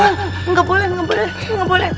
enggak boleh enggak boleh enggak boleh